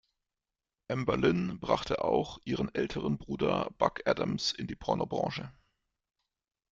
Amber Lynn brachte auch ihren älteren Bruder Buck Adams in die Pornobranche.